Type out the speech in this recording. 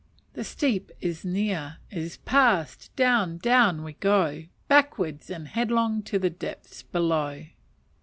The steep is near is passed! down, down, we go! backwards, and headlong to the depths below!